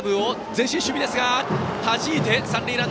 前進守備ですが、はじきました。